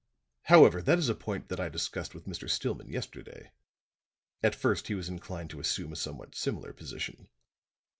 However, that is a point that I discussed with Mr. Stillman yesterday; at first he was inclined to assume a somewhat similar position."